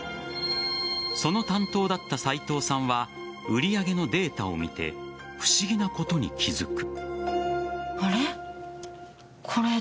その担当だった斉藤さんは売り上げのデータを見て不思議なことに気づく。